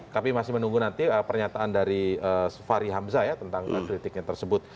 kami masih menunggu nanti pernyataan dari fahri hamzah ya tentang kritiknya tersebut